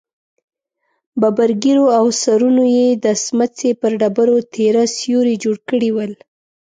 ببرو ږېرو او سرونو يې د سمڅې پر ډبرو تېره سيوري جوړ کړي ول.